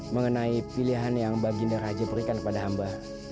mengenai pilihan yang baginda raja berikan kepada hamba